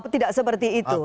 tidak seperti itu